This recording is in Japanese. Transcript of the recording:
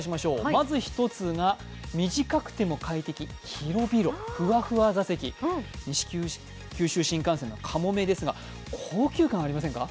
まず１つが、短くても快適、広々、ふわふわ座席、西九州新幹線・かもめですが高級感ありませんか？